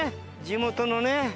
地元のね。